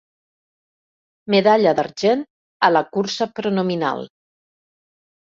Medalla d'argent a la cursa pronominal.